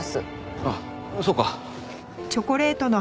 あそうか。